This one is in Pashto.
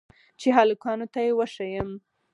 چې هلکانو ته يې وښييم.